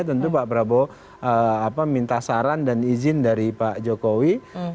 tentu pak prabowo minta saran dan izin dari pak jokowi